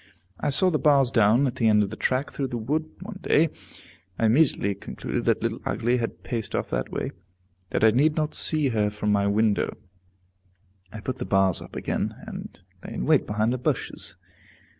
I saw the bars down, at the end of the track through the wood, one day. I immediately concluded that Little Ugly had paced off that way, that I need not see her from my window. I put the bars up again, and lay in wait behind the bushes.